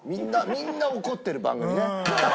みんな怒ってる番組ね。